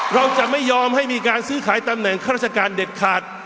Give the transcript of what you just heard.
เราจะไม่ยอมให้มีการซื้อขายตำแหน่งข้าราชการเด็ดขาด